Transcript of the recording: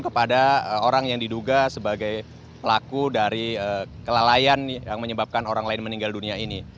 kepada orang yang diduga sebagai pelaku dari kelalaian yang menyebabkan orang lain meninggal dunia ini